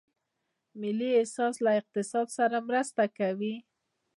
د ملي احساس له اقتصاد سره مرسته کوي؟